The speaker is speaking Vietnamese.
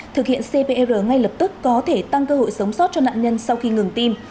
thực hiện cpr ngay lập tức có thể tăng cơ hội sống sót cho nạn nhân sau khi ngừng tim